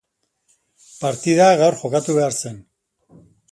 Partida gaur jokatu behar zen.